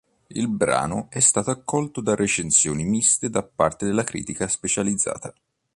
Il brano è stato accolto da recensioni miste da parte della critica specializzata.